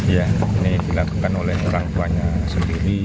ya ini dilakukan oleh orang tuanya sendiri